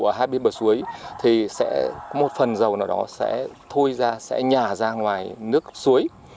ở hai bên bờ suối thì sẽ một phần dầu nào đó sẽ thôi ra sẽ nhả ra ngoài nước suối